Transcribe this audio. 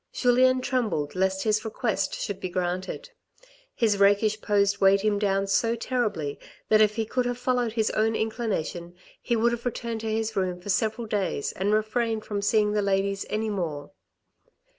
Julien trembled lest his request should be granted. His rakish pose weighed him down so terribly that if he could have followed his own inclination he would have returned to his room for several days and refrained from seeing the ladies any more.